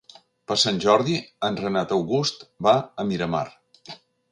Per Sant Jordi en Renat August va a Miramar.